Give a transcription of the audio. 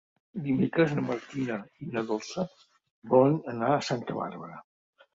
Dimecres na Martina i na Dolça volen anar a Santa Bàrbara.